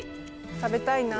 食べたいな。